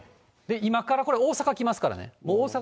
今からこれ、大阪来ますからね。